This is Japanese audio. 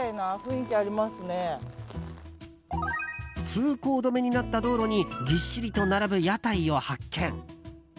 通行止めになった道路にぎっしりと並ぶ屋台を発見。